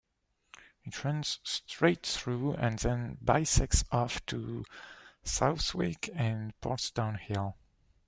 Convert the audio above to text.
It runs straight through and then bisects off to Southwick and Portsdown Hill.